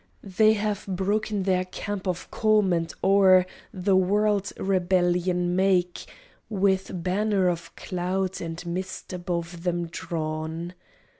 They have broken their camp of Calm and o'er The world rebellion make, With banner of cloud and mist above them drawn.